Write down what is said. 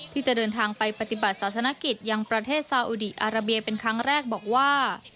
ที่จะเดินทางไปปฏิบัติศาสนกิจยังประเทศซาอุดีอาราเบียเป็นครั้งแรกบอกว่า